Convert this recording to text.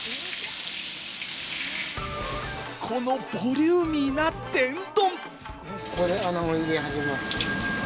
このボリューミーな天丼！